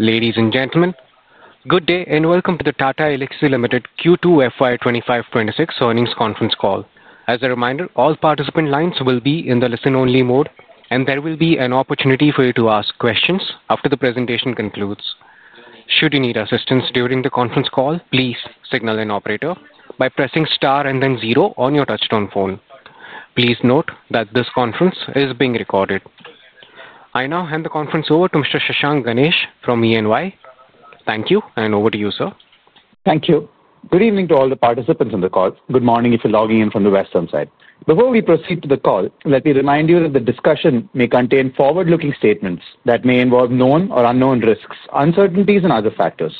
Ladies and gentlemen, good day and welcome to the Tata Elxsi Ltd. FY 2025-2026 earnings conference call. As a reminder, all participant lines will be in the listen-only mode and there will be an opportunity for you to ask questions after the presentation concludes. Should you need assistance during the conference call, please signal an operator by pressing STAR and then zero on your touch-tone phone. Please note that this conference is being recorded. I now hand the conference over to Mr. Shashank Ganesh from EY. Thank you. And over to you, sir. Thank you. Good evening to all the participants on the call. Good morning if you're logging in from the western side. Before we proceed to the call, let me remind you that the discussion may contain forward-looking statements that may involve known or unknown risks, uncertainties, and other factors.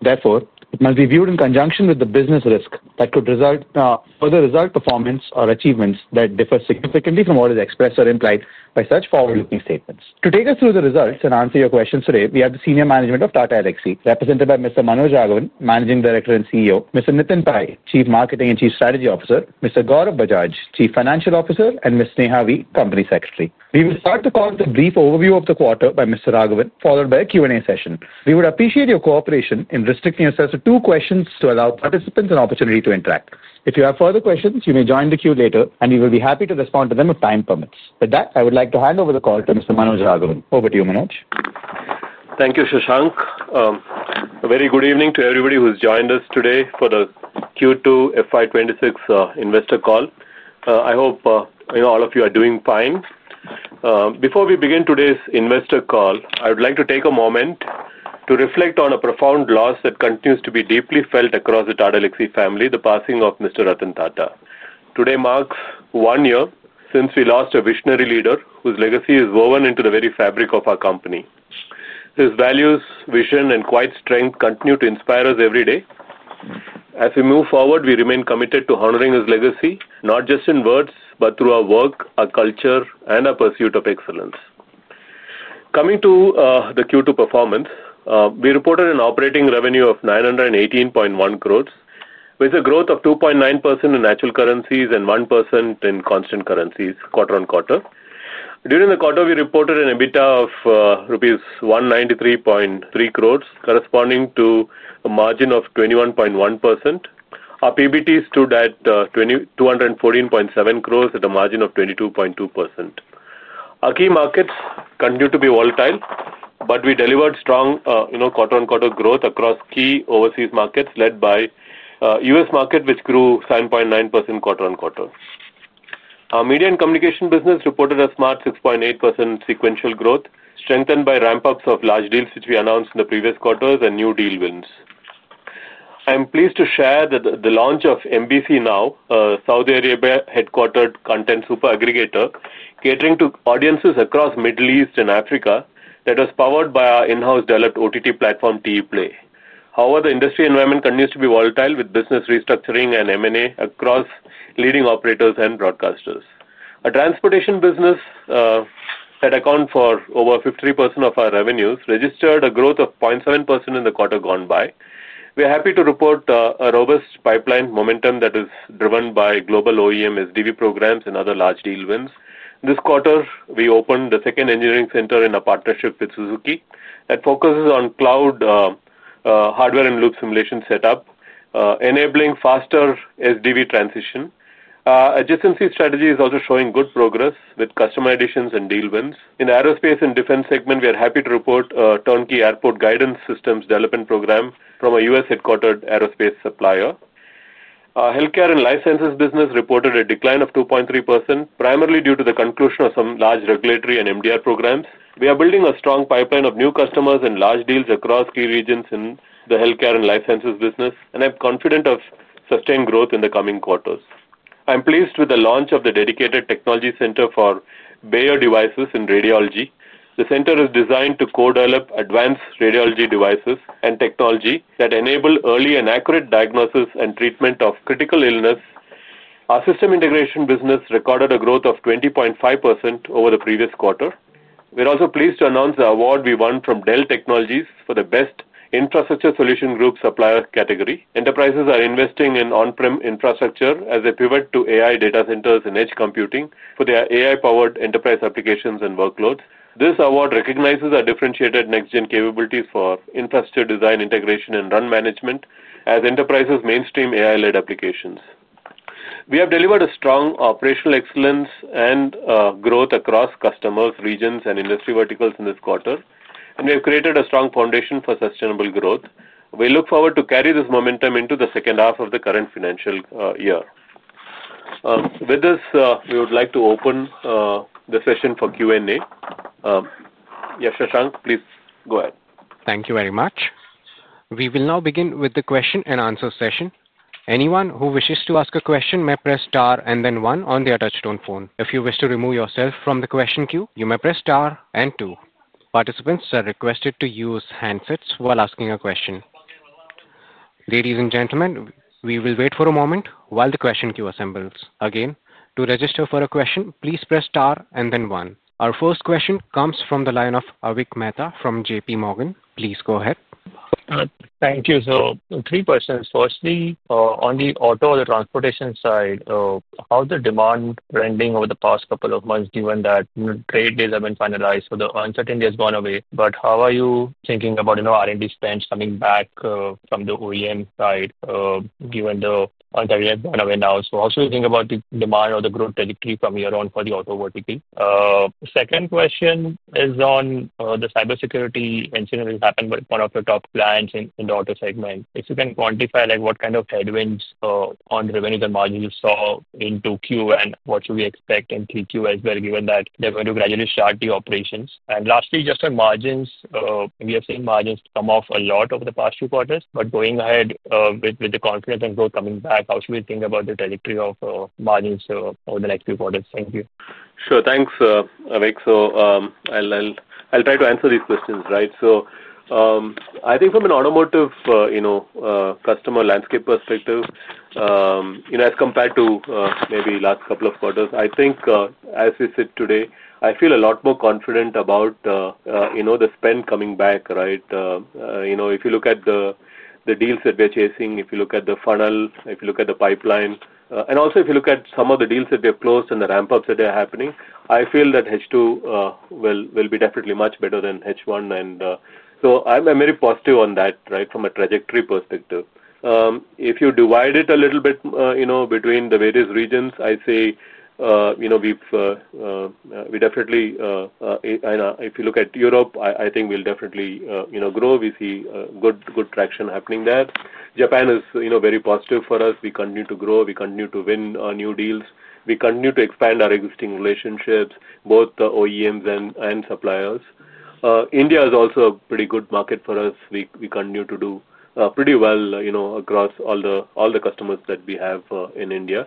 Therefore, it must be viewed in conjunction. With the business risk that could result. Further result, performance, or achievements that differ significantly from what is expressed or implied by such forward-looking statements. To take us through the results. Answer your questions today we have the senior management of Tata Elxsi represented by Mr. Manoj Raghavan, Managing Director and CEO, Mr. Nitin Pai, Chief Marketing and Chief Strategy Officer, Mr. Gaurav Bajaj, Chief Financial Officer, and Ms. Neha V., Company Secretary. We will start the call with a. Brief overview of the quarter by Mr. Raghavan followed by a Q&A session. We would appreciate your cooperation in restricting yourself to two questions to allow participants an opportunity to interact. If you have further questions, you may join the queue later, and we will be happy to respond to them if time permits. With that, I would like to hand over the call to Mr. Manoj Raghavan. Over to you, Manoj. Thank you, Shashank. A very good evening to everybody who's joined us today for the Q2 FY 2026 investor call. I hope all of you are doing fine. Before we begin today's investor call, I would like to take a moment to reflect on a profound loss that continues to be deeply felt across the Tata Elxsi family. The passing of Mr. Ratan Tata today marks one year since we lost a visionary leader whose legacy is woven into the very fabric of our company. His values, vision, and quiet strength continue to inspire us every day as we move forward. We remain committed to honoring his legacy not just in words, but through our work, our culture, and our pursuit of excellence. Coming to the Q2 performance, we reported an operating revenue of 918.1 crore with a growth of 2.9% in natural currencies and 1% in constant currencies quarter on quarter. During the quarter, we reported an EBITDA of rupees 193.3 crore corresponding to a margin of 21.1%. Our PBT stood at 214.7 crore at a margin of 22.2%. Our key markets continue to be volatile, but we delivered strong quarter on quarter growth across key overseas markets led by the U.S. market, which grew 7.9% quarter-on-quarter. Our media and communication business reported a smart 6.8% sequential growth, strengthened by ramp-ups of large deals which we announced in the previous quarters and new deal wins. I am pleased to share that the launch of MBC Now, a Saudi Arabia headquartered content super aggregator catering to audiences across the Middle East and Africa, is powered by our in-house developed OTT platform Teplay. However, the industry environment continues to be volatile with business restructuring and M&A across leading operators and broadcasters. Our transportation business that accounts for over 50% of our revenues registered a growth of 0.7% in the quarter gone by. We are happy to report a robust pipeline momentum that is driven by global OEM, SDV programs, and other large deal wins. This quarter, we opened the second engineering center in a partnership with Suzuki that focuses on cloud hardware and loop simulation setup, enabling faster SDV transition. Adjacency strategy is also showing good progress with customer additions and deal wins. In the aerospace and defense segment, we are happy to report a turnkey airport guidance systems development program from a U.S. headquartered aerospace supplier. Our healthcare and life sciences business reported a decline of 2.3% primarily due to the conclusion of some large regulatory and MDR programs. We are building a strong pipeline of new customers and large deals across key regions in the healthcare and life sciences business, and I'm confident of sustained growth in the coming quarters. I'm pleased with the launch of the dedicated technology center for Bayer Devices in Radiology. The center is designed to co-develop advanced radiology devices and technology that enable early and accurate diagnosis and treatment of critical illness. Our system integration business recorded a growth of 20.5% over the previous quarter. We're also pleased to announce the award we won from Dell Technologies for the Best Infrastructure Solution Group Supplier category. Enterprises are investing in on-prem infrastructure as they pivot to AI data centers and edge computing for their AI-powered enterprise applications and workloads. This award recognizes our differentiated next-gen capabilities for infrastructure design, integration, and run management as enterprises mainstream AI-led applications. We have delivered strong operational excellence and growth across customers, regions, and industry verticals in this quarter, and we have created a strong foundation for sustainable growth. We look forward to carrying this momentum into the second half of the current financial year. With this, we would like to open the session for Q&A. Shashank Ganesh, please go ahead. Thank you very much. We will now begin with the question and answer session. Anyone who wishes to ask a question may press star and then one on their touchstone phone. If you wish to remove yourself from the question queue, you may press star and then two. Participants are requested to use handsets while asking a question. Ladies and gentlemen, we will wait for a moment while the question queue assembles again. To register for a question, please press star and then one. Our first question comes from the line of avik Mehta from JP Morgan. Please go ahead. Thank you. Three questions. Firstly, on the auto or the transportation side, how's the demand trending over the past couple of months given that trade days have been finalized? The uncertainty has gone away. How are you thinking about R&D spends coming back from the OEM side given the alternative going away now? Also, you think about the demand or the growth trajectory from here on for the auto vertical. Second question is on the cybersecurity incident that has happened with one of your top clients in the auto segment. If you can quantify what kind of headwinds on revenues and margins you saw in 2Q and what should we expect in 3Q as well, given that they're going to gradually start the operations. Lastly, just on margins, we have seen margins come off a lot over the past two quarters. Going ahead with the confidence and growth coming back, how should we think about the trajectory of margins over the next few quarters? Thank you. Sure. Thanks, Avik. I'll try to answer these questions. I think from an automotive customer landscape perspective as compared to maybe last couple of quarters, as we sit today, I feel a lot more confident about the spend coming back. If you look at the deals that we're chasing, if you look at the funnel, if you look at the pipeline, and also if you look at some of the deals that we have closed and the ramp ups that are happening, I feel that H2 will be definitely much better than H1. I'm very positive on that. From a trajectory perspective, if you divide it a little bit between the various regions, I say we definitely, if you look at Europe, I think we'll definitely grow. We see good traction happening there. Japan is very positive for us. We continue to grow, we continue to win new deals, we continue to expand our existing relationships, both OEMs and suppliers. India is also a pretty good market for us. We continue to do pretty well across all the customers that we have in India.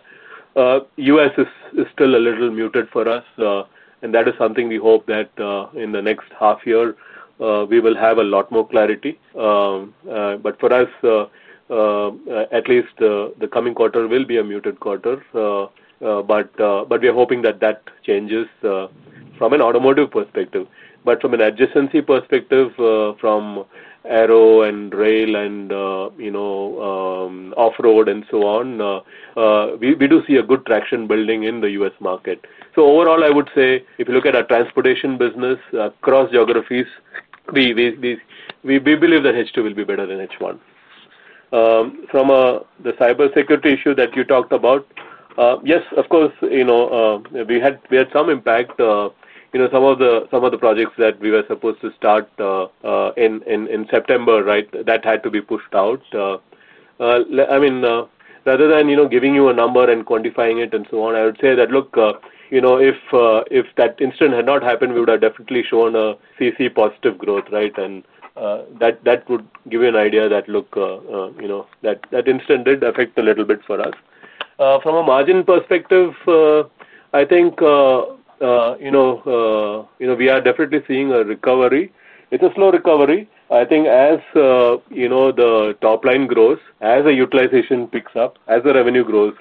U.S. is still a little muted for us. That is something we hope that in the next half year we will have a lot more clarity. For us at least the coming quarter will be a muted quarter. We are hoping that changes. From an automotive perspective, from an adjacency perspective, from aero and rail and off road and so on, we do see a good traction building in the U.S. market. Overall, I would say if you look at our transportation business across geographies, we believe that H2 will be better than H1. From the cybersecurity issue that you talked about, yes, of course we had some impact. Some of the projects that we were supposed to start in September had to be pushed out. Rather than giving you a number and quantifying it, I would say that if that incident had not happened, we would have definitely shown a CC positive growth. That would give you an idea that incident did affect a little bit for us. From a margin perspective, we are definitely seeing a recovery. It is a slow recovery. As the top line grows, as the utilization picks up, as the revenue grows,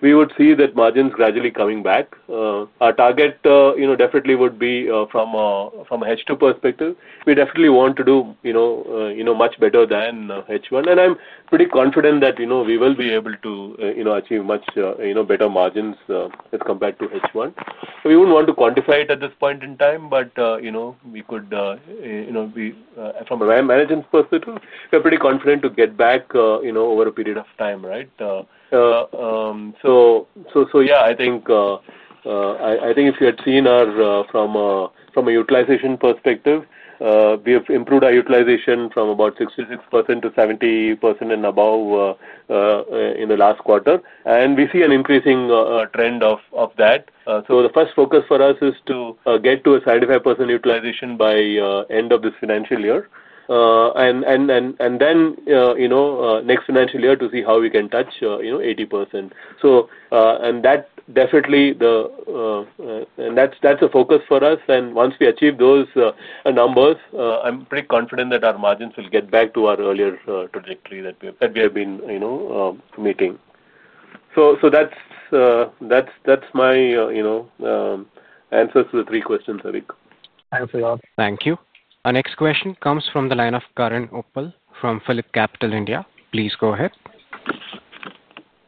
we would see that margins gradually coming back. Our target definitely would be from a H2 perspective. We definitely want to do much better than H1 and I'm pretty confident that we will be able to achieve much better margins as compared to H1. We wouldn't want to quantify it at this point in time, but we could from a management perspective, we're pretty confident to get back over a period of time. Right. I think if you had seen from a utilization perspective, we have improved our utilization from about 66% to 70% and above in the last quarter, and we see an increasing trend of that. The first focus for us is to get to a 75% utilization by end of this financial year, and next financial year to see how we can touch 80%. That is definitely the focus for us. Once we achieve those numbers, I'm pretty confident that our margins will get back to our earlier trajectory that we have been meeting. That's my answers to the three questions. Thanks a lot. Thank you. Our next question comes from the line of Karan Uppal from Philip Capital India. Please go ahead.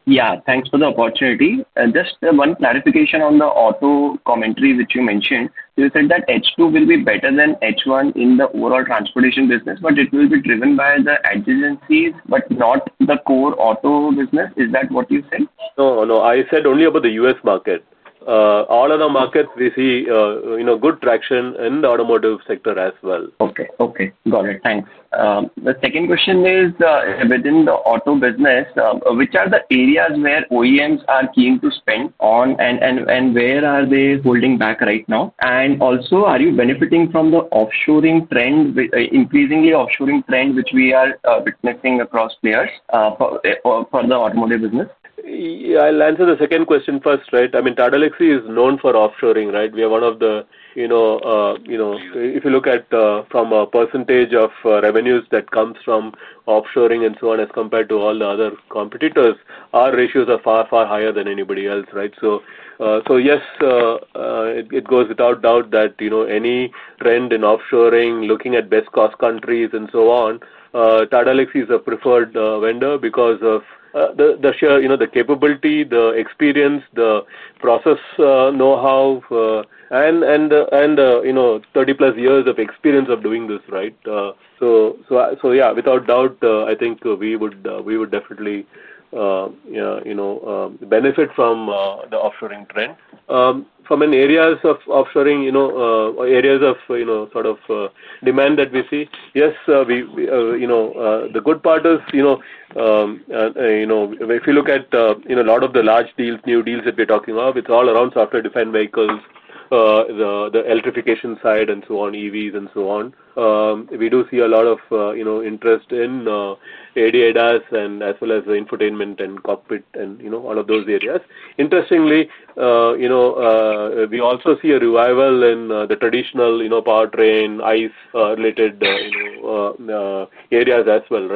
Yeah, thanks for the opportunity. Just one clarification on the auto commentary which you mentioned. You said that H2 will be better than H1 in the overall transportation business, but it will be driven by the adjacencies, not the core auto business. Is that what you said? No, I said only about the U.S. market. All other markets we see good traction in the automotive sector as well. Okay, okay, got it, thanks. The second question is within the auto business, which are the areas where OEMs are keen to spend on, and where are they holding back right now? Also, are you benefiting from the offshoring trend increasingly? Offshoring trend which we are witnessing across players for the automotive business. I'll answer the second question first. Tata Elxsi is known for offshoring. We are one of the, if you look at from a percentage of revenues that comes from offshoring and so on as compared to all the other competitors, our ratios are far, far higher than anybody else. It goes without doubt that any trend in offshoring, looking at best cost countries and so on, Tata Elxsi is a preferred vendor because of the capability, the experience, the process, know-how, and 30+ years of experience of doing this. Without doubt, I think we would definitely benefit from the offshoring trend. From an area of offshoring, areas of sort of demand that we see, the good part is if you look at a lot of the large deals, new deals that we're talking of, it's all around software defined vehicles, the electrification side and so on, EVs and so on. We do see a lot of interest in ADAS and as well as the infotainment and cockpit and all of those areas. Interestingly, we also see a revival in the traditional powertrain ICE related areas as well.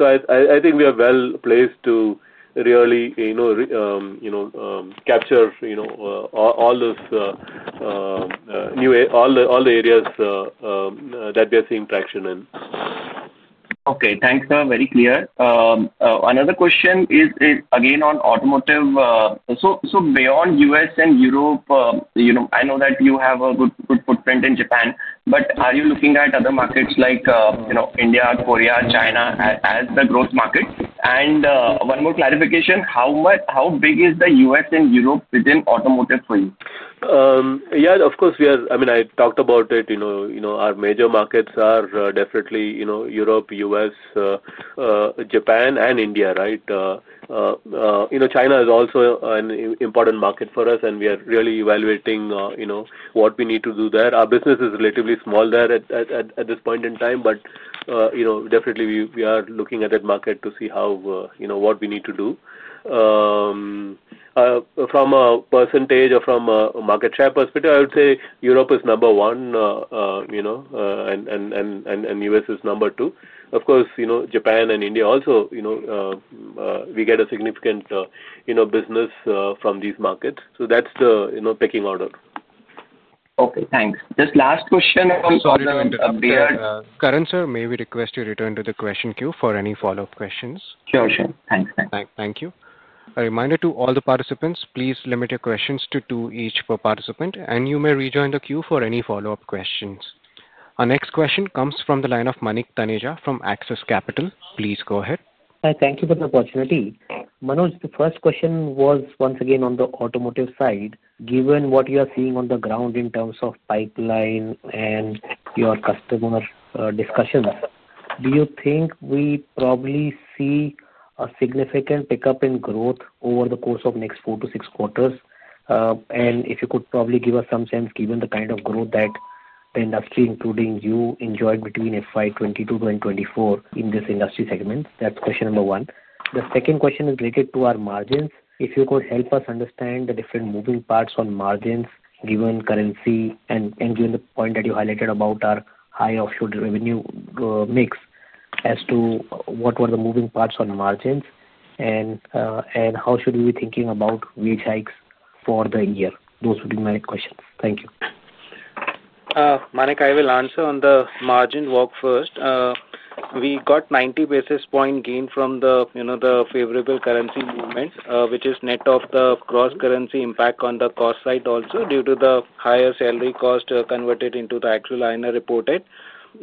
I think we are well placed to really capture all those new, all the areas that we are seeing traction in. Okay, thanks. Very clear. Another question is again on automotive. Beyond U.S. and Europe, I know that you have a good footprint in Japan, but are you looking at other markets like India, Korea, China as the growth market? One more clarification, how big is the U.S. and Europe within automotive for you? Yeah, of course we are. I mean, I talked about it. Our major markets are definitely Europe, U.S., Japan, and India. China is also an important market for us, and we are really evaluating what we need to do there. Our business is relatively small there at this point in time, but definitely we are looking at that market to see what we need to do from a percentage or from market share perspective. I would say Europe is number one, and U.S. is number two. Japan and India also, we get a significant business from these markets. That's the pecking order. Okay, thanks. Just last question. Karan sir, may we request you return to the question queue for any follow-up questions? Sure. Thanks. Thank you. A reminder to all the participants, please limit your questions to two each per participant, and you may rejoin the queue for any follow up questions. Our next question comes from the line of Manik Taneja from Access Capital. Please go ahead. Thank you for the opportunity. Manoj, the first question was once again on the automotive side. Given what you are seeing on the ground in terms of pipeline and your customer discussions, do you think we probably see a significant pickup in growth over the course of the next four to six quarters? If you could probably give us some sense, given the kind of growth that the industry including you enjoyed between FY 2022 and 2024 in this industry segment, that's question number one. The second question is related to our margins. If you could help us understand the different moving parts on margins, given currency and given the point that you highlighted about our high offshore revenue mix, as to what were the moving parts on margins and how should we be thinking about wage hikes for the year, those would be my questions. Thank you, Manik I will answer on the margin work first. We got a 90 basis point gain from the favorable currency movement, which is net of the cross currency impact on the cost side. Also, due to the higher salary cost converted into the actual INR reported,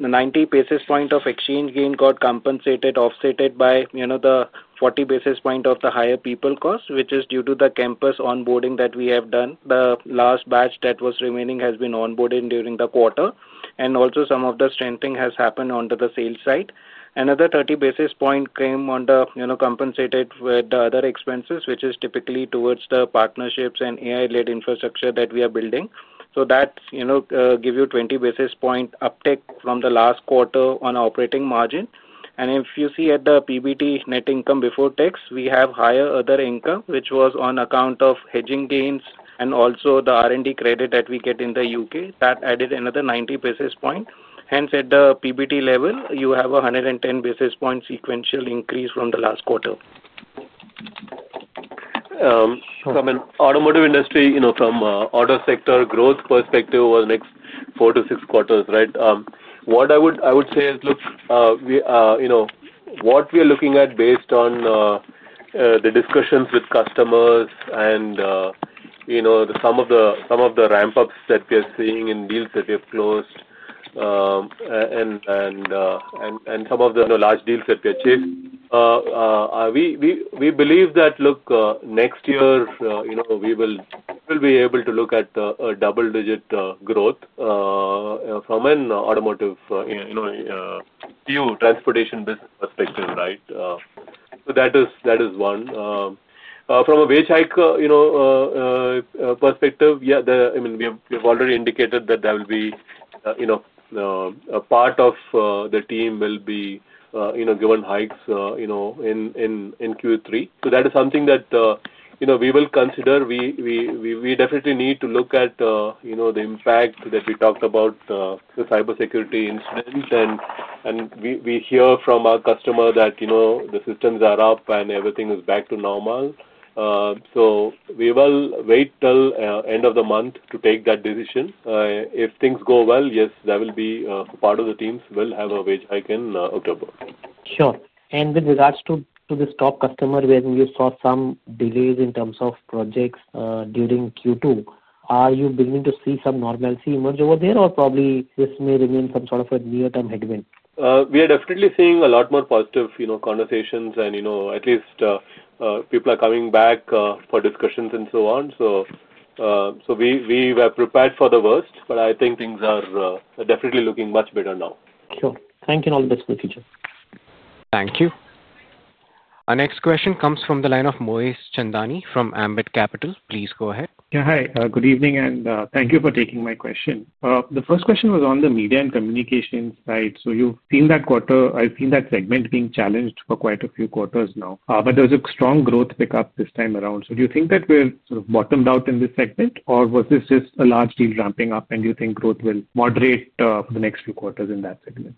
the 90 basis point of exchange gain got compensated, offset by the 40 basis point of the higher people cost, which is due to the campus onboarding that we have done. The last batch that was remaining has been onboarded during the quarter, and also some of the strengthening has happened onto the sales side. Another 30 basis point came on, compensated with the other expenses, which is typically towards the partnerships and AI-led infrastructure that we are building. That gives you a 20 basis point uptick from the last quarter on operating margin. If you see at the PBT. Net income before tax, we have higher other income, which was on account of hedging gains and also the R&D credit that we get in the U.K. That added another 90 bases points. Hence, at the PBT level, you have 110 bases points sequential increase from the. Last quarter from an automotive industry, from auto sector growth perspective, was next four to six quarters. Right. What I would say is, look. What. We are looking at, based on the discussions with customers and some of the ramp-ups that we are seeing in deals that we have closed and some of the large deals that we achieved, we believe that, look, next year we will be able to look at double-digit growth from an automotive view, transportation business perspective. That is one from a wage hike perspective. Yeah. I mean, we have already indicated that there will be a part of the team will be given hikes in Q3. That is something that we will consider. We definitely need to look at the impact that we talked about, the cybersecurity incident, and we hear from our customer that, you know, the systems are up and everything is back to normal. We will wait till end of the month to take that decision. If things go well, yes, that will be part of the teams will have a wage hike in October. Sure. With regards to the stock customer, when you saw some delays in terms of projects during Q2, are you beginning to see some normalcy emerge over there, or probably this may remain some sort of a near term headwind? We are definitely seeing a lot more positive conversations and at least people are coming back for discussions and so on. We were prepared for the worst. I think things are definitely looking much better now. Sure. Thank you. All the best in the future. Thank you. Our next question comes from the line of Moesh Chandani from Ambit Capital. Please go ahead. Yeah. Hi, good evening and thank you for taking my question. The first question was on the media and communications side. You've seen that quarter. I've seen that segment being challenged for quite a few quarters now. There's a strong growth pickup this time around. Do you think that we're sort of bottomed out in this segment or was this just a large deal ramping up and you think growth will moderate for the next few quarters in that segment?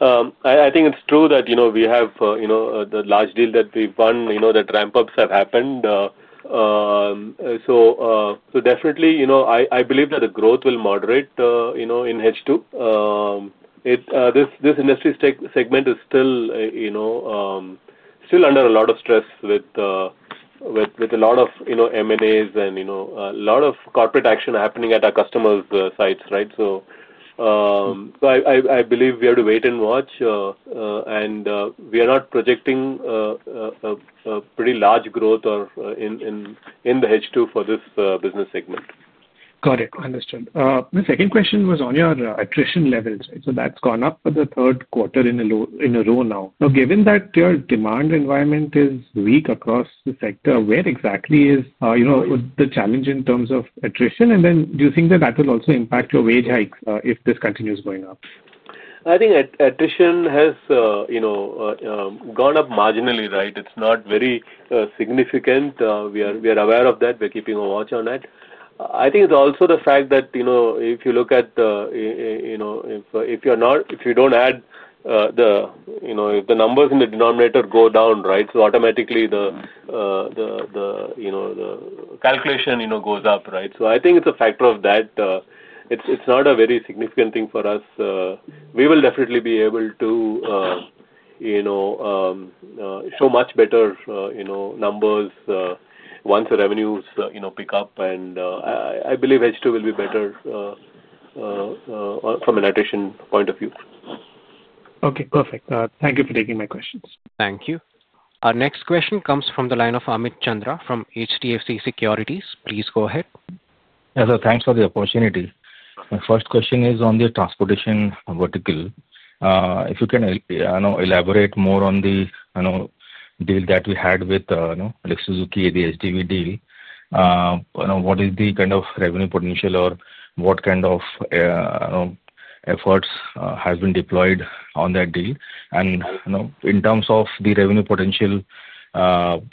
I think it's true that we have, you know, the last deal that we've won, you know, that ramp ups have happened. I believe that the growth will moderate in H2. This industry segment is still under a lot of stress with a lot of M&As and a lot of corporate action happening at our customers' sites. I believe we have to wait and watch and we are not projecting pretty large growth in the H2 for this business segment. Got it? Understood. The second question was on your attrition levels. That's gone up for the third. Quarter in a row. Now, given that your demand environment is weak across the sector, where exactly is the challenge in terms of attrition? Do you think that that will also impact your wage hike if this continues going up? I think attrition has gone up marginally. It's not very significant. We are aware of that. We're keeping a watch on that. I think it's also the fact that if you look at, if you don't add, the numbers in the denominator go down, so automatically the calculation goes up. I think it's a factor of that. It's not a very significant thing for us. We will definitely be able to show much better numbers once the revenues pick up. I believe H2 will be better from an attrition point of view. Okay, perfect. Thank you for taking my questions. Thank you. Our next question comes from the line of Amit Chandra from HDFC Securities. Please go ahead. Thanks for the opportunity. My first question is on the transportation vertical. If you can elaborate more on the deal that we had with Suzuki, the SDV deal, what is the kind of revenue potential or what kind of efforts has been deployed on that deal? In terms of the revenue potential,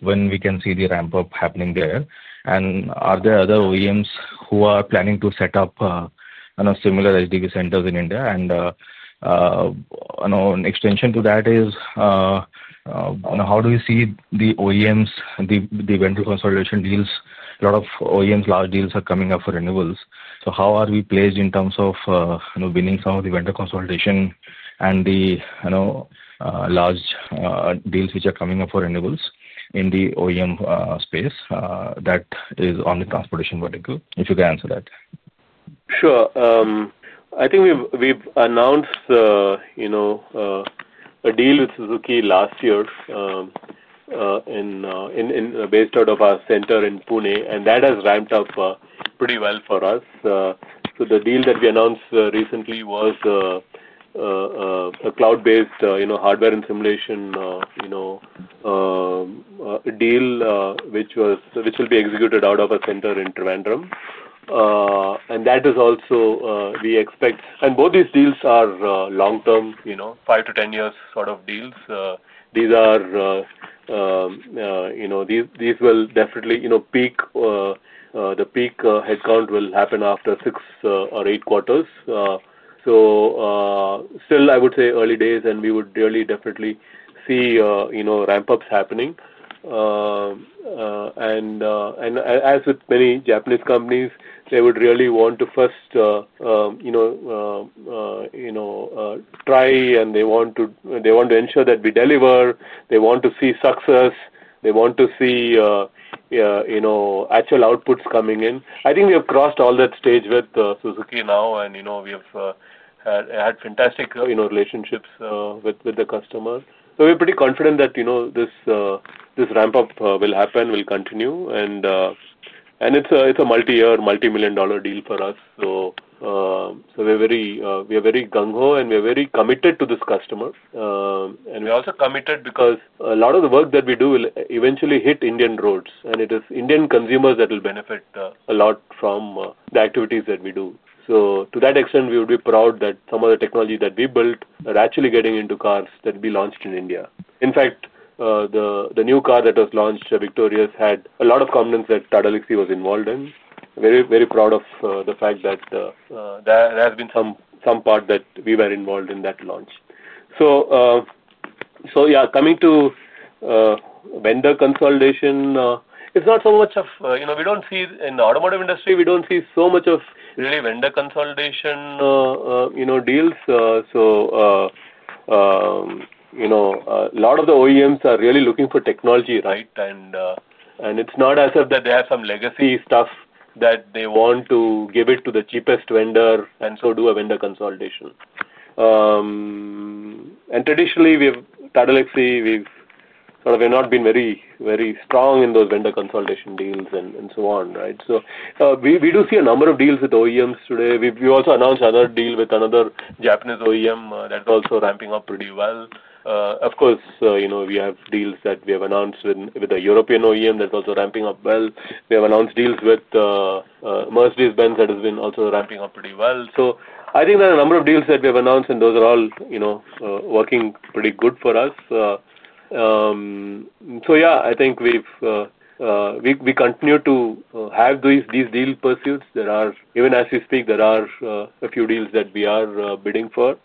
when we can see the ramp up happening there and are there other OEMs who are planning to set up similar HDB centers in India? And. An extension to that is how do we see the OEMs, the vendor consolidation deals? A lot of OEMs, large deals, are coming up for renewals. How are we placed in terms of winning some of the vendor consolidation and the large deals which are coming up for renewals in the OEM space? That is on the transportation vertical. If you can answer that. Sure. I think we've announced a deal with Suzuki last year based out of our center in Pune and that has ramped up pretty well for us. The deal that we announced recently was a cloud-based hardware and simulation deal which will be executed out of a center in Trivandrum. That is also, we expect, and both these deals are long term, you know, five to 10 years sort of deals. These will definitely, you know, peak. The peak headcount will happen after six or eight quarters. Still, I would say early days and we would really definitely see ramp ups happening. As with many Japanese companies, they would really want to first try and they want to ensure that we deliver. They want to see success, they want to see actual outputs coming in. I think we have crossed all that stage with Suzuki now and we have had fantastic relationships with the customer. We're pretty confident that this ramp up will happen, will continue. It's a multi-year, multi-million dollar deal for us. We are very gung ho and we are very committed to this customer. We are also committed because a lot of the work that we do will eventually hit Indian roads and it is Indian consumers that will benefit a lot from the activities that we do. To that extent, we would be proud that some of the technology that we built are actually getting into cars that we launched in India. In fact, the new car that was launched, Victorious, had a lot of components that Tata Elxsi was involved in. Very proud of the fact that there has been some part that we were involved in that launch. Coming to vendor consolidation, it's not so much of, you know, we don't see in the automotive industry, we don't see so much of really vendor consolidation deals. A lot of the OEMs are really looking for technology. Right. It's not as if that they have some legacy stuff that they want to give it to the cheapest vendor and do a vendor consolidation. Traditionally, we, Tata Elxsi, we have not been very strong in those vendor consolidation deals and so on. Right. We do see a number of deals with OEMs. Today we also announced another deal with another Japanese OEM that's also ramping up pretty well. We have deals that we have announced with the European OEM that's also ramping up. We have announced deals with Mercedes-Benz that has been also ramping up pretty well. I think there are a number of deals that we have announced and those are all working pretty good for us. I think we continue to have these deal pursuits. Even as we speak, there are a few deals that we are bidding for.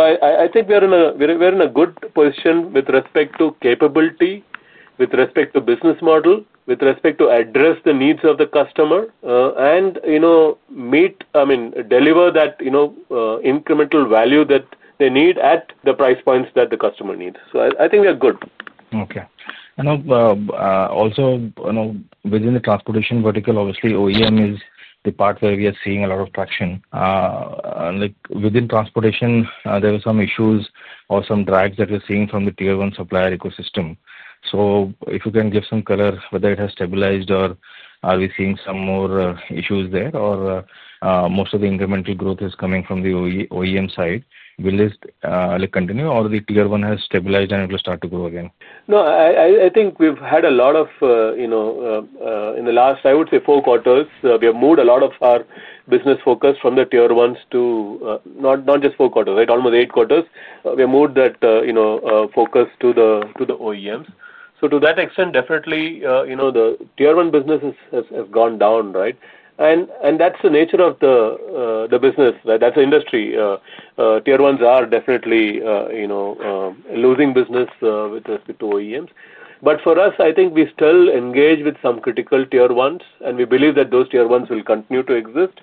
I think we are in a good position with respect to capability, with respect to business model, with respect to address the needs of the customer and meet, I mean, deliver that incremental value that they need at the price points that the customer needs. I think we are good. Okay. Also, within the transportation vertical, obviously OEM is the part where we are seeing a lot of traction. Within transportation, there are some issues or some drags that we're seeing from the tier one supplier ecosystem. If you can give some color, whether it has stabilized or are we seeing some more issues there, or most of the incremental growth is coming from the OEM side, will this continue or the tier one has stabilized and it will start to grow again? I think we've had a lot of, you know, in the last, I would say, four quarters, we have moved a lot of our business focus from the Tier 1s to not just four quarters, right, almost eight quarters. We moved that focus to the OEMs. To that extent, definitely, the Tier 1 businesses have gone down. That's the nature of the business. That's the industry. Tier 1s are definitely losing business with respect to OEMs. For us, I think we still engage with some critical Tier 1s and we believe that those Tier 1s will continue to exist.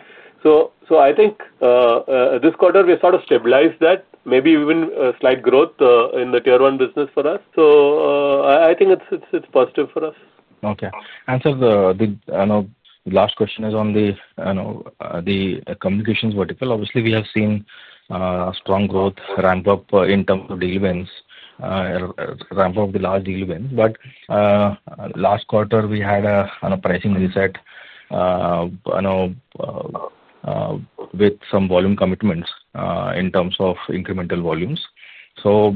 I think this quarter we sort of stabilized that, maybe even slight growth in the Tier 1 business for us. I think it's positive for us. Okay. The last question is on the communications vertical. Obviously, we have seen strong growth ramp up in terms of deliverance. Ramp up the large deal win. Last quarter we had a pricing reset with some volume commitments in terms of incremental volumes. Has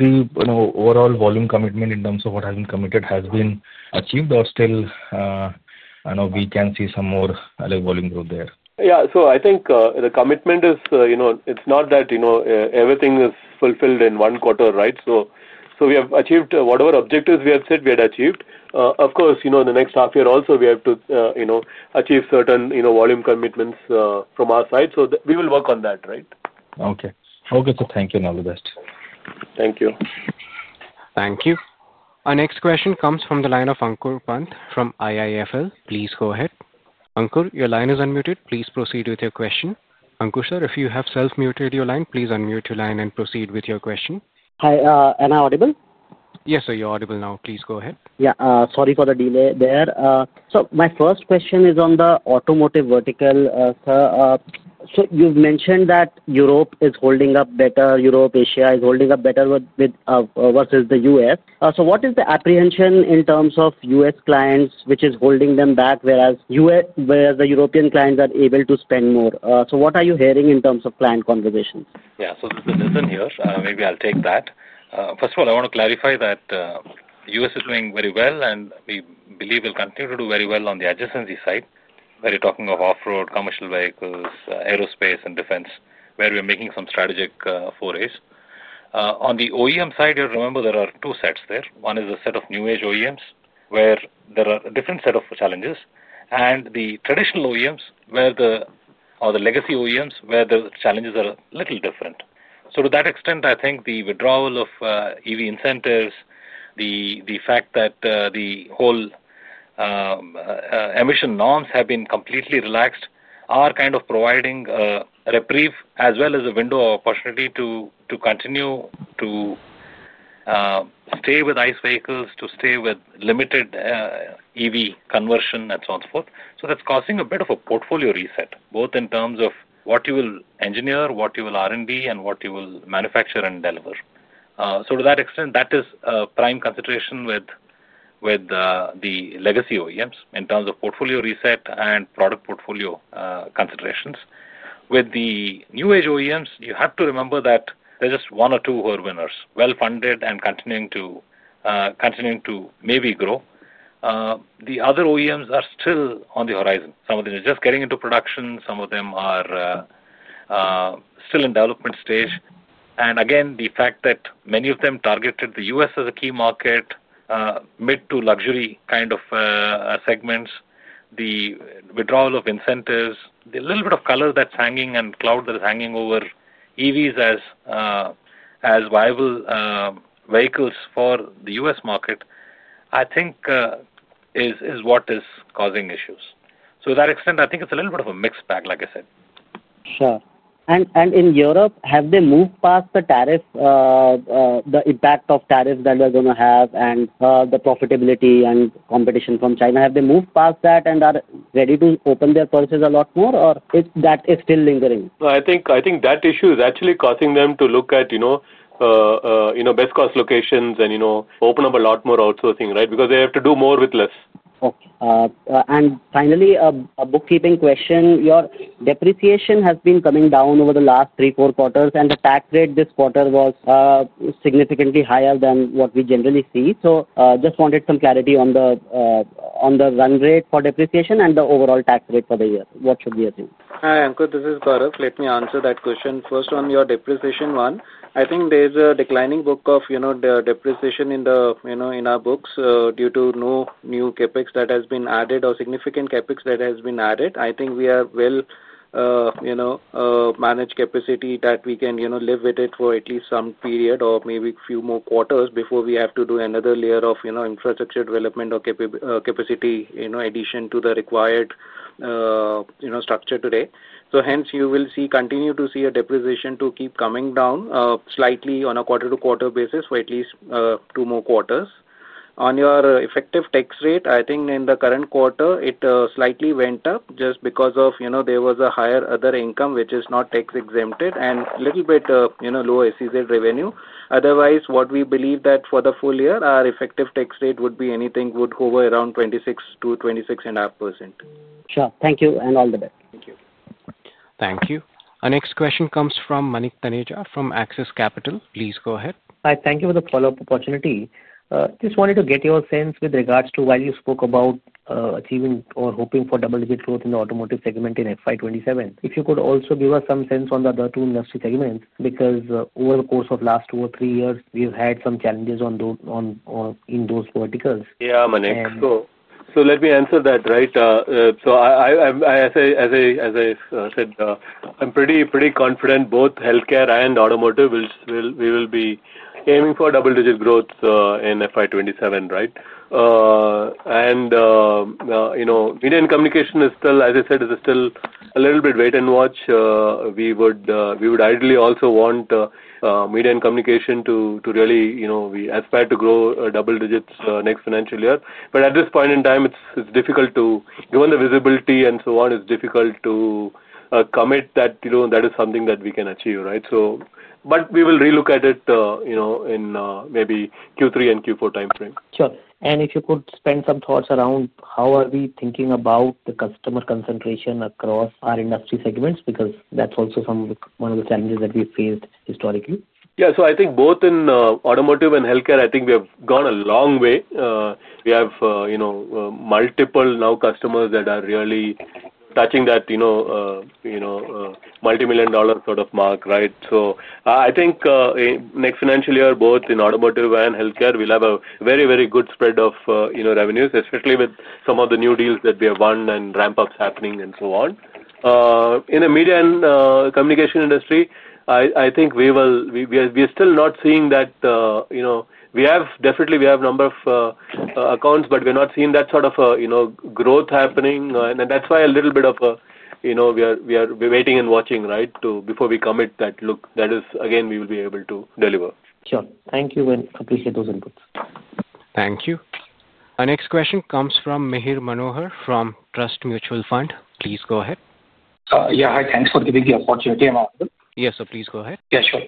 the overall volume commitment in terms of what has been committed been achieved, or can we see some more volume growth there? Yeah. I think the commitment is, you know, it's not that everything is fulfilled in one quarter. We have achieved whatever objectives we have said we had achieved. Of course, the next half year also we have to achieve certain, you know, volume commitments from our side so that we will work on that. Okay. Thank you and all the best. Thank you. Thank you. Our next question comes from the line of Ankur Pant from IIFL. Please go ahead, Ankur. Your line is unmuted. Please proceed with your question. Sir, if you have self-muted your line, please unmute your line and proceed with your question. Hi, am I audible? Yes, sir, you're audible now. Please go ahead. Sorry for the delay there. My first question is on the automotive vertical. You've mentioned that Europe is holding up better. Europe, Asia is holding up better versus the U.S. What is the apprehension in terms of U.S. clients, which is holding them back, whereas the European clients are able to spend more? What are you hearing in terms of client conversations? Yeah, so this is the lesson here. Maybe I'll take that. First of all, I want to clarify that U.S. is doing very well and we believe will continue to do very well on the adjacency side, where you're talking of off road, commercial vehicles, aerospace and defense, where we are making some strategic forays. On the OEM side, you remember there are two sets there. One is a set of new age OEMs where there are a different set of challenges, and the traditional OEMs or the legacy OEMs where the challenges are a little different. To that extent, I think the withdrawal of EV incentives, the fact that the whole emission norms have been completely relaxed, are kind of providing reprieve as well as a window of opportunity to continue to stay with ICE vehicles, to stay with limited EV conversion and so on. That's causing a bit of a portfolio reset, both in terms of what you will engineer, what you will R&D, and what you will manufacture and deliver. To that extent, that is a prime consideration with the legacy OEMs in terms of portfolio reset and product portfolio considerations. With the new age OEMs, you have to remember that there are just one or two who are winners, well funded and continuing to maybe grow. The other OEMs are still on the horizon. Some of them are just getting into production, some of them are still in development stage. Again, the fact that many of them targeted the U.S. as a key market, mid to luxury kind of segments, the withdrawal of incentives, the little bit of color that's hanging and cloud that is hanging over EVs as viable vehicles for the U.S. market, I think is what is causing issues. To that extent, I think it's a little bit of a mixed bag, like I said. Sure. In Europe, have they moved past the impact of tariffs that they're going to have and the profitability and competition from China? Have they moved past that and are ready to open their purchases a lot more, or is that still lingering? I think that issue is actually causing them to look at best cost locations and open up a lot more outsourcing because they have to do more with less. Finally, a bookkeeping question. Your depreciation has been coming down over the last three, four quarters, and the tax rate this quarter was significantly higher than what we generally see. Just wanted some clarity on the run rate for depreciation and the overall tax rate for the year. What should we assume? Hi, Ankur, this is Gaurav. Let me answer that question first on your depreciation. One, I think there's a declining book of depreciation in our books due to no new CapEx that has been added or significant CapEx that has been added. I think we are managed capacity that we can live with for at least some period or maybe a few more quarters before we have to do another layer of infrastructure development or capability capacity addition to the required structure today. You will continue to see. A depreciation to keep coming down slightly on a quarter to quarter basis for at least two more quarters on your effective tax rate. I think in the current quarter it slightly went up just because there was a higher other income which is not tax exempted and little bit lower revenue. Otherwise, what we believe that for the full year our effective tax rate would be anything would hover around 26% to 26% and up. Sure. Thank you and all the best. Thank you. Thank you. Our next question comes from Manita from Axis Capital. Please go ahead. I thank you for the follow up opportunity. Just wanted to get your sense with regards to why you spoke about achieving or hoping for double digit growth in the automotive segment in FY 2027. If you could also give us some sense on the other two industry segments because over the course of the last two or three years we've had some challenges in those verticals. Yeah, Manik, let me answer that. Right. As I said, I'm pretty confident both healthcare and automotive we will be aiming for double digit growth in FY 2027. Media and communication is still, as I said, is still a little bit wait and watch. We would ideally also want media and communication to really, you know, we aspire to grow double digits next financial year but at this point in time it's difficult to, given the visibility and so on, it's difficult to commit that that is something that we can achieve. We will relook at it, you know, in maybe Q3 and Q4 time frame. Sure. Could you spend some thoughts around how are we thinking about the customer concentration across our industry segments? Because that's also one of the challenges that we faced historically. Yeah. I think both in automotive and healthcare, I think we have gone a long way. We have multiple now customers that are really touching that multimillion dollar sort of mark. Right. I think next financial year, both in automotive and healthcare, we'll have a very, very good spread of revenues, especially with some of the new deals that we have won and ramp ups happening and so on in the media and communication industry. I think we will be still not seeing that. We have definitely, we have number of accounts, but we're not seeing that sort of, you know, growth happening. That's why a little bit of, you know, we are waiting and watching. Right. Before we commit that look that is, again, we will be able to deliver. Sure. Thank you, and appreciate those inputs. Thank you. Our next question comes from Mehir Manohar from Trust Mutual Fund. Please go ahead. Yeah, hi. Thanks for giving the opportunity. Yes, sir. Please go ahead. Yeah, sure.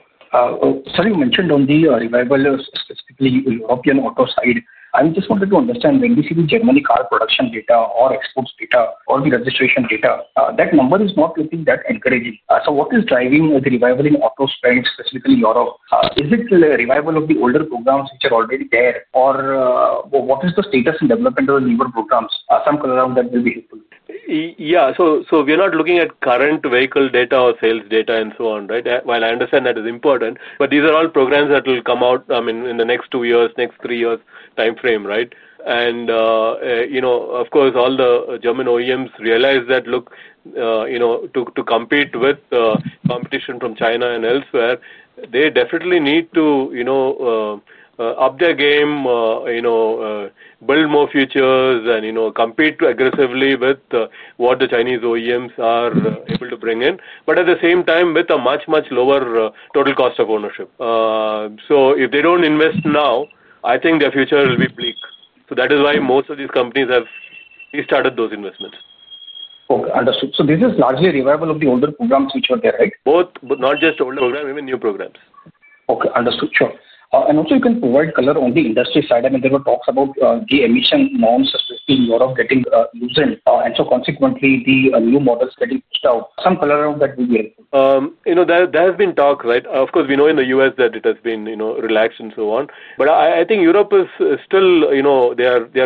Sir, you mentioned on the revival, specifically European auto side. I just wanted to understand when we see the Germany car production data or exports data or the registration data, that number is not looking that encouraging. What is driving the revival in auto spend, specifically Europe? Is it revival of the older programs which are already there or what is the status and development of the newer programs? Some color out that will be helpful. Yeah, we're not looking at current vehicle data or sales data and so on. I understand that is important, but these are all programs that will come out in the next two years, next three years time frame. All the German OEMs realize that to compete with competition from China and elsewhere, they definitely need to up their game, build more features, and compete aggressively with what the Chinese OEMs are able to bring in, but at the same time with a much, much lower total cost of ownership. If they don't invest now, I think their future will be bleak. That is why most of these companies have restarted those investments. Okay, understood. This is largely revival of the older programs which are there, right? Not just old program, even new programs. Okay, understood, sure. Also, you can provide color on the industry side. I mean there were talks about the emission norms, especially in Europe getting loosened, and consequently the new models getting pushed out. Some color around that will be helpful. There has been talk, right? Of course, we know in the U.S. that it has been relaxed and so on. I think Europe is still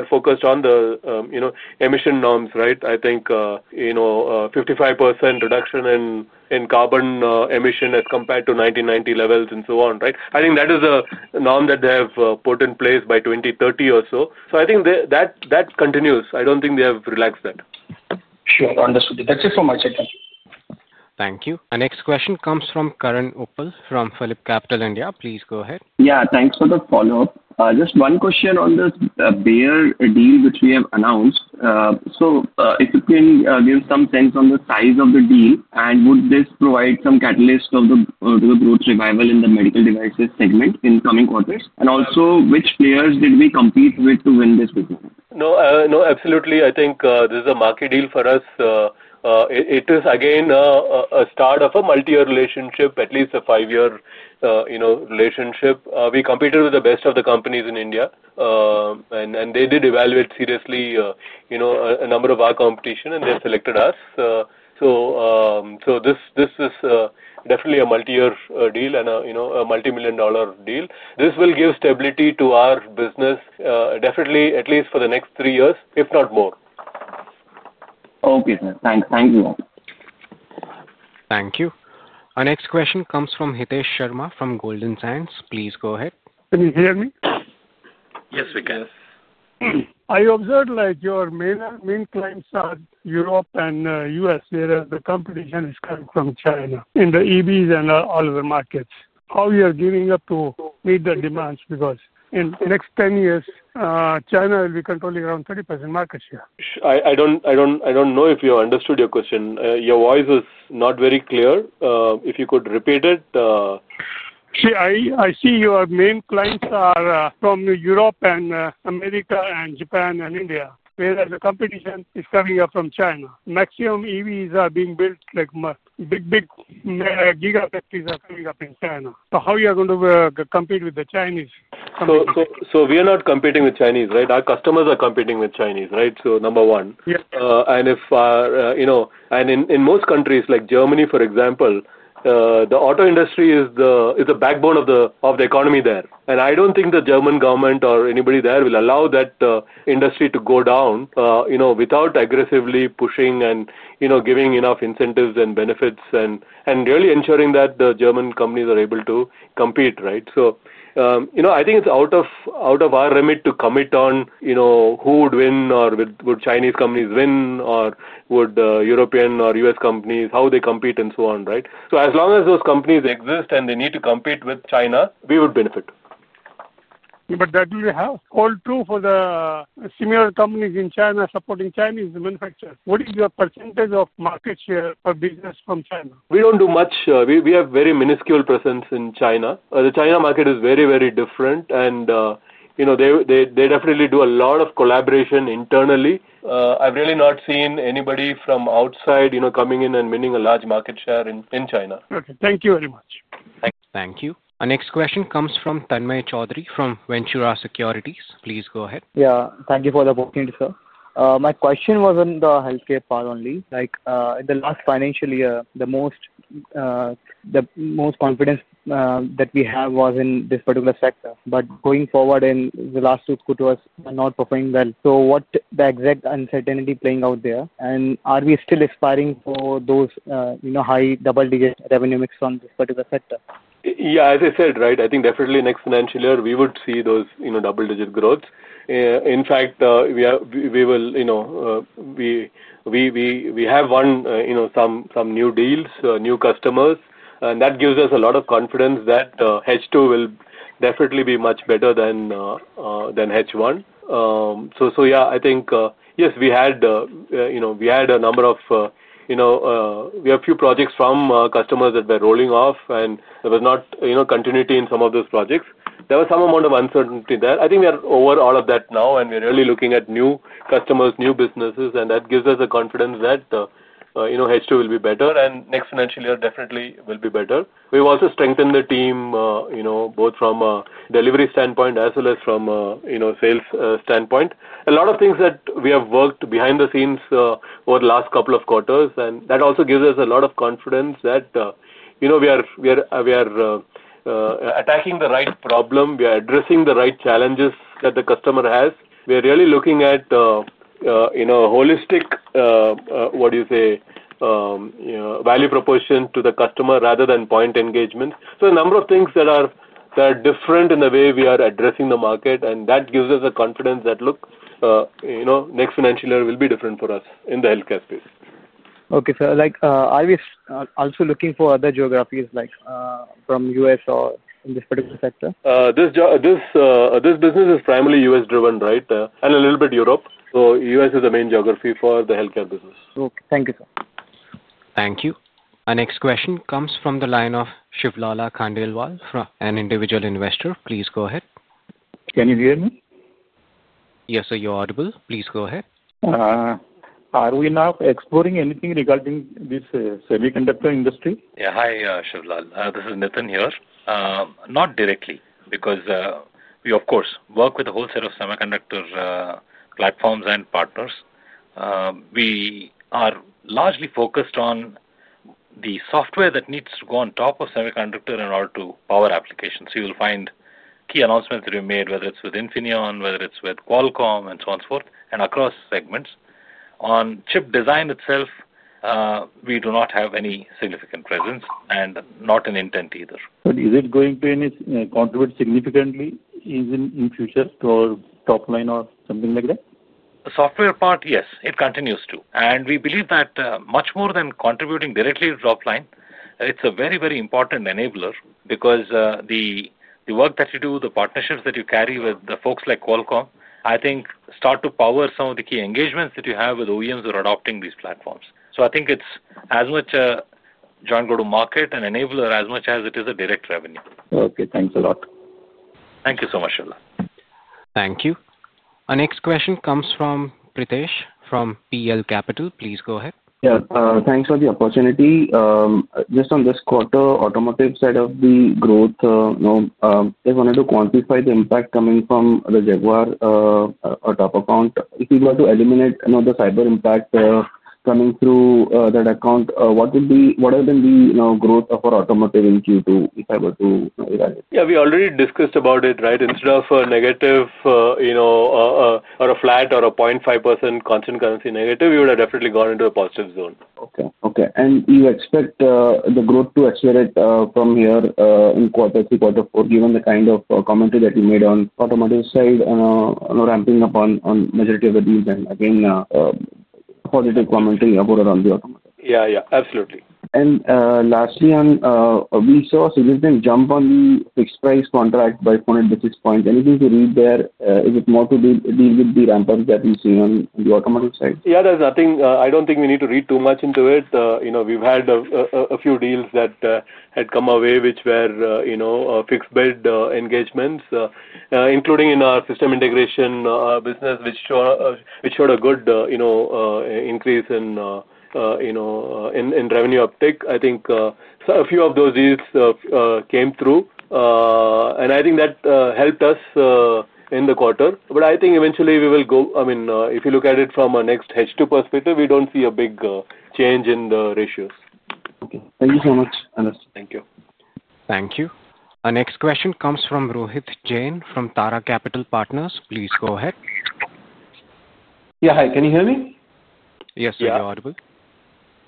focused on the emission norms, right? I think 55% reduction in carbon emission as compared to 1990 levels and so on. I think that is the norm that they have put in place by 2030 or so. I think that continues. I don't think they have relaxed that. Sure. Understood. That's it from my side. Thank you. Our next question comes from Karan Upal from Philip Capital India. Please go ahead. Yeah, thanks for the follow up. Just one question on this Bayer deal which we have announced. If you can give some sense on the size of the deal and would this provide some catalyst in the medical devices segment in coming quarters, and also which players did we compete with to win this business? No, absolutely. I think this is a market deal for us. It is again a start of a multi-year relationship, at least a five-year relationship. We competed with the best of the companies in India, and they did evaluate seriously a number of our competition, and they selected us. This is definitely a multi-year deal and, you know, a multi-million dollar deal. This will give stability to our business definitely, at least for the next three years, if not more. Okay, thanks. Thank you. Thank you. Our next question comes from Hitesh Sharma from Golden Science. Please go ahead. Can you hear me? Yes, we can. I observed like your main clients are Europe and U.S. where the competition is coming from China in the EVs and all over markets. How you are giving up to meet the demands because in next 10 years China will be controlling around 30% market share. I don't know if I understood your question. Your voice is not very clear. If you could repeat it. See, I see your main clients are from Europe and America and Japan and India. Whereas the competition is coming up from China. Maximum EVs are being built, like big, big giga factories are coming up in China. How are you going to compete with the Chinese? We are not competing with Chinese. Our customers are competing with Chinese. Number one, in most countries like Germany, for example, the auto industry is the backbone of the economy there. I don't think the German government or anybody there will allow that industry to go down without aggressively pushing and giving enough incentives and benefits and really ensuring that the German companies are able to compete. I think it's out of our remit to comment on who would win or would Chinese companies win or would European or U.S. companies, how they compete and so on. As long as those companies exist and they need to compete with China, we would benefit. That will hold true for the similar companies in China supporting Chinese manufacturers. What is your percentage of market share per business from China? We don't do much. We have very minuscule presence in China. The China market is very, very different, and they definitely do a lot of collaboration internally. I've really not seen anybody from outside coming in and winning a large market share in China. Thank you very much. Thank you. Our next question comes from Tanmay Chaudhary from Ventura Securities. Please go ahead. Yeah, thank you for the opportunity. Sir. My question was on the healthcare part only. In the last financial year, the most confidence that we have was in this particular sector. Going forward, in the last two quarters are not performing well. What is the exact uncertainty playing out there, and are we still aspiring for those high double-digit revenue mix on this particular sector? Yes, as I said, right. I think definitely next financial year we would see those double-digit growth. In fact, we will. We have won some new deals, new customers, and that gives us a lot of confidence that H2 will definitely be much better than H1. I think, yes, we had a number of, we have a few projects from customers that we're rolling off and there was not continuity in some of those projects. There was some amount of uncertainty there. I think we are over all of that now and we are really looking at new customers, new businesses, and that gives us the confidence that H2 will be better and next financial year definitely will be better. We've also strengthened the team both from a delivery standpoint as well as from a sales standpoint. A lot of things that we have worked behind the scenes over the last couple of quarters and that also gives us a lot of confidence that we are attacking the right problem, we are addressing the right challenges that the customer has. We are really looking at holistic, what do you say, value proposition to the customer rather than point engagement. A number of things that are different in the way we are addressing the market and that gives us the confidence that, you know, next financial year will be different for us in the healthcare space. Okay, are we also looking for other geographies like from the U.S. or in this particular sector? This job, this business is primarily U.S. driven, right, and a little bit Europe. U.S. is the main geography for the healthcare business. Thank you, sir. Thank you. Our next question comes from the line of Shivlala Khandelwal from an individual investor. Please go ahead. Can you hear me? Yes, sir. You're audible. Please go ahead. Are we now exploring anything regarding this Semiconductor industry? Yeah. Hi Shivlal, this is Nitin here. Not directly because we of course work with a whole set of semiconductor platforms and partners. We are largely focused on the software that needs to go on top of semiconductor in order to power applications. You will find key announcements that we made whether it's with Infineon, whether it's with Qualcomm and so on, forth and across segments. On chip design itself, we do not have any significant presence and not an intent either. Is it going to contribute significantly in future to our top line or something like that? The software part, yes, it continues to. We believe that much more than. Contributing directly to Drop Line, it's a very, very important enabler because the work that you do, the partnerships that you carry with the folks like Qualcomm, I think start to power some of the key engagements that you have with OEMs who are adopting these platforms. I think it's as much a joint go to market and enabler as much as it is a direct revenue. Okay, thanks a lot. Thank you so much. Thank you. Our next question comes from Pritesh from PL Capital. Please go ahead. Yeah, thanks for the opportunity. Just on this quarter automotive side of the growth, if wanted to quantify the impact coming from the Jaguar top account, if you want to eliminate the cyber impact coming through that account, what has been the growth of our automotive in Q2 if I were to. Yeah, we already discussed about it. Right. Instead of negative or a flat or a 0.5% constant currency negative, you would have definitely gone into a positive zone. Okay. You expect the growth to accelerate from here in quarter three, quarter four, given the kind of commentary that you made on automotive side ramping up on majority of the deals and again positive commentary. Yeah, absolutely. We saw significant jump on the fixed price contract by 400 basis points. Anything to read there? Is it more to deal with the ramp ups that we see on. Yeah, there's nothing. I don't think we need to read too much into it. We've had a few deals that had come our way which were fixed bid engagements, including in our system integration business, which showed a good increase in revenue uptake. I think a few of those deals came through and I think that helped us in the quarter. If you look at it from a next H2 perspective, we don't see a big change in the ratios. Thank you so much. Thank you. Thank you. Our next question comes from Rohit Jain from Tara Capital Partners. Please go ahead. Hi, can you hear me? Yes.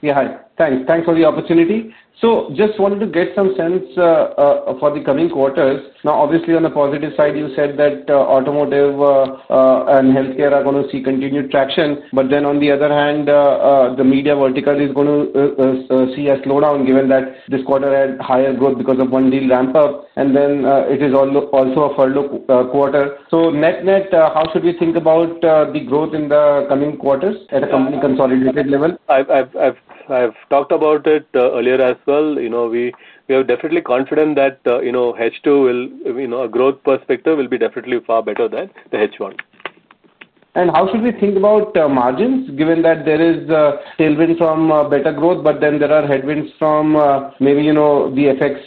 Thanks for the opportunity. I just wanted to get some sense for the coming quarters. Obviously, on the positive side, you said that automotive and healthcare are going to see continued traction. On the other hand, the media vertical is going to see a slowdown given that this quarter had higher growth because of one deal ramp up, and it is also a furlough quarter. Net net, how should we think about the growth in the coming quarters at a company consolidated level? I've talked about it earlier as well. We are definitely confident that H2, from a growth perspective, will be definitely far better than H1. How should we think about margins given that there is tailwind from better growth, but there are headwinds from maybe the effects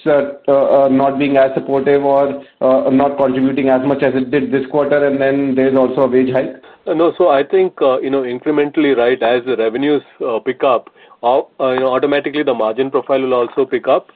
not being as supportive or not contributing as much as it did this quarter? There is also a wage hike. I think incrementally as the revenues pick up, automatically the margin profile will also pick up.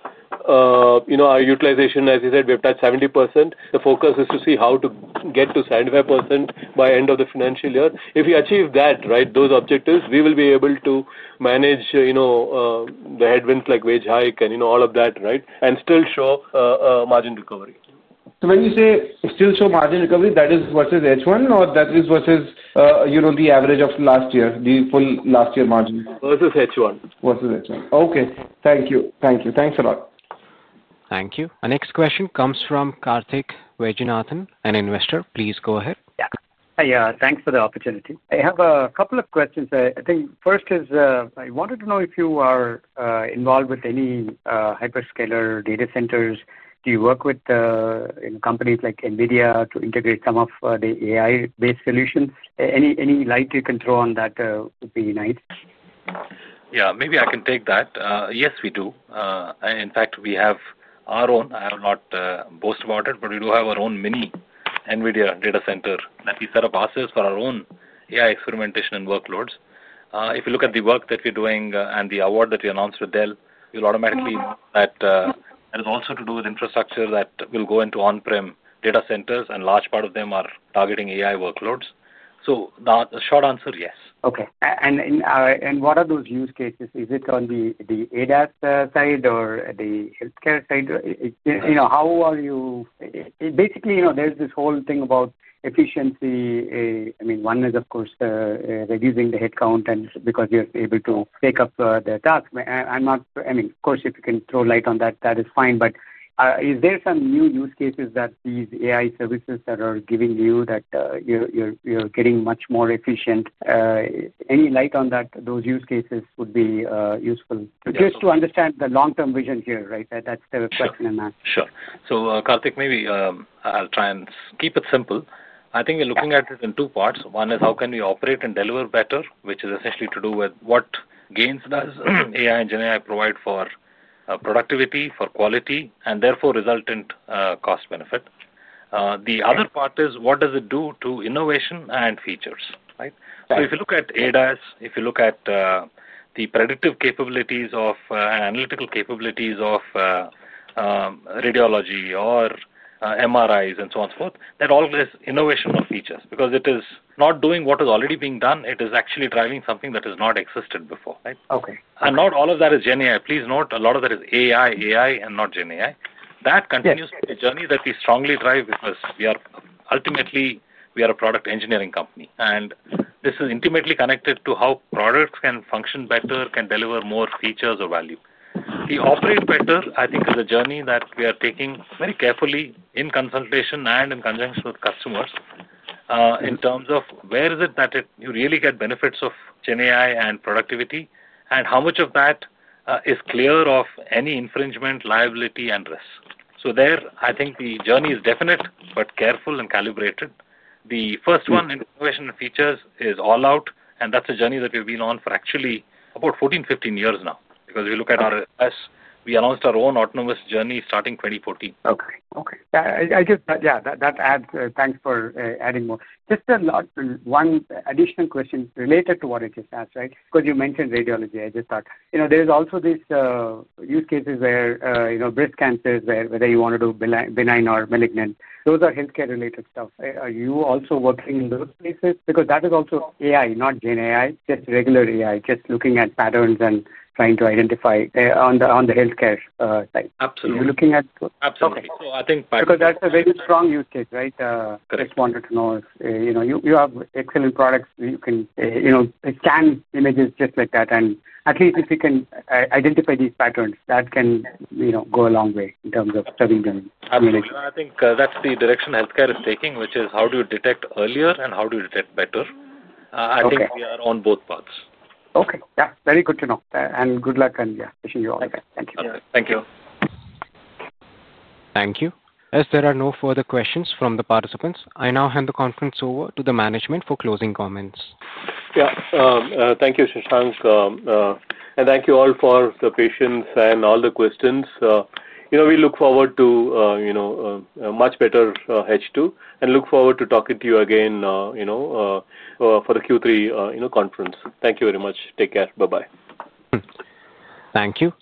Our utilization, as you said, we have touched 70%. The focus is to see how to get to 75% by end of the financial year. If we achieve those objectives, we will be able to manage the headwinds like wage hike and all of that and still show margin recovery. When you say still show margin recovery, that is versus H1 or that is versus the average of last year, the full last year margin versus H1. Okay, thank you. Thank you. Thanks a lot. Thank you. Our next question comes from Karthik Vaijanathan, an investor. Please go ahead. Thanks for the opportunity. I have a couple of questions. I think first is I wanted to know if you are involved with any hyperscaler data centers. Do you work with companies like NVIDIA to integrate some of the AI-based solutions? Any light you can throw on would be nice. Yeah, maybe I can take that. Yes, we do. In fact, we have our own. I will not boast about it, but we do have our own mini NVIDIA data-center that we set up ourselves for our own AI experimentation and workloads. If you look at the work that. We're doing and the award that we announced with Dell, will automatically. That is also to do with infrastructure that will go into on-prem data-centers, and a large part of them are targeting AI workloads. The short answer, yes. Okay, and what are those use cases? Is it on the ADAS side or the healthcare side? You know, how are you basically, you know, there's this whole thing about efficiency. I mean, one is of course reducing the headcount because you're able to take up the task. I mean, of course, if you can throw light on that, that is fine. Is there some new use cases that these AI services are giving you, that you're getting much more efficient? Any light on that? Those use cases would be useful just to understand the long term vision here. Right? That's the question I'm asked. Sure. Karthik, maybe I'll try and keep it simple. I think we're looking at it in two parts. One is how can we operate and deliver better, which is essentially to do with what gains does AI and GenAI provide for productivity, for quality, and therefore resultant cost benefit. The other part is what does it do to innovation and features. If you look at ADAS, if you look at the predictive capabilities or analytical capabilities of Radiology or MRIs and so on, for all this innovation of features, because it is not doing what is already being done, it is actually driving something that has not existed before. Not all of that is GenAI. Please note, a lot of that is AI. AI and not GenAI. That continues the journey that we strongly drive because we are ultimately a product engineering company and this is intimately connected to how products can function better, can deliver more features or value. We operate better, I think, is a journey that we are taking very carefully, in consultation and in conjunction with customers in terms of where is it that you really get benefits of GenAI and productivity and how much of that is clear of any infringement liability. There I think the journey is definite but careful and calibrated. The first one, innovation features, is all out. That's a journey that we've been on for actually about 14, 15 years now. Because we look at our. We announced our own autonomous journey starting 2014. Okay. Okay. Yeah, that adds. Thanks for adding more. Just one additional question related to what I just asked. Right. Because you mentioned radiology. There's also these use cases where breast cancers, whether you want to do benign or malignant, those are healthcare related stuff. Are you also working in those places? Because that is also AI, not GenAI, just regular AI, just looking at patterns and trying to identify on the healthcare side. Absolutely. Because that's a very strong use case. I just wanted to know you have excellent products, you can scan images just like that, and at least if you can identify these patterns, that can go a long way in terms of serving them. I think that's the direction healthcare is taking, which is how do you detect earlier and how do you detect better? I think we are on both parts. Okay, yeah. Very good to know and good luck and wishing you all. Thank you. Thank you. Thank you. As there are no further questions from the participants, I now hand the conference over to the management for closing comments. Thank you, Sushant, and thank you all for the patience and all the questions. We look forward to a much better H2 and look forward to talking to you again for the Q3 conference. Thank you very much. Take care. Bye bye. Thank you.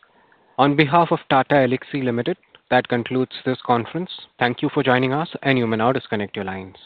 On behalf of Tata Elxsi Limited, that concludes this conference. Thank you for joining us. You may now disconnect your lines.